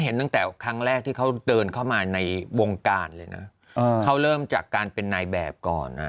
เมื่อก่อนเขาเขาเราล่อมาก